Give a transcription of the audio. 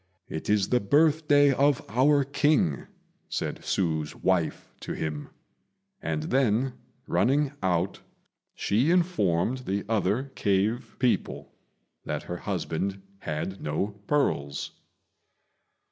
"It is the birthday of our King," said Hsü's wife to him; and then, running out, she informed the other cave people that her husband had no pearls.